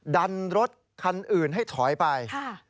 ดันรถคันอื่นให้ถอยไป